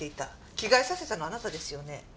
着替えさせたのはあなたですよね？